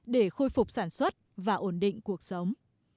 để khôi phục sản xuất và ổn định cuộc sống